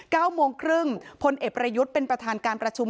เก้าโมงครึ่งพลเอกประยุทธ์เป็นประธานการประชุม